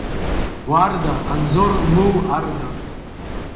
Уарда Анзор МыУ арда.